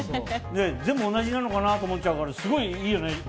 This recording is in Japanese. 全部同じなのかなと思っちゃうからすごいいいよね！